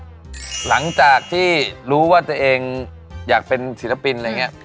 หลังจากที่รู้ว่าตัวเองอยากเป็นศิลปินอะไรอย่างนี้